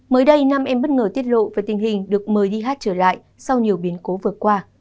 mới đây nam em bất ngờ tiết lộ về tình hình được mời đi hát trở lại sau nhiều biến cố vừa qua